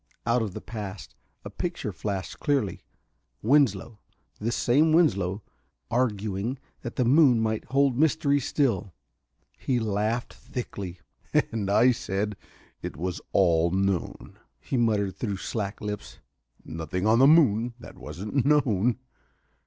Out of the past a picture flashed clearly: Winslow this same Winslow arguing that the moon might hold mysteries still. He laughed thickly. "And I said it was all known," he muttered through slack lips. "Nothing on the moon that wasn't known...."